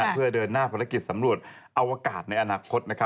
เพื่อเดินหน้าภารกิจสำรวจอวกาศในอนาคต